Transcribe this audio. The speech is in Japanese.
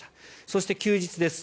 そして、休日です。